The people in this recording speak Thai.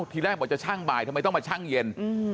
ทีแรกบอกจะชั่งบ่ายทำไมต้องมาชั่งเย็น